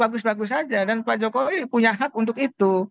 bagus bagus saja dan pak jokowi punya hak untuk itu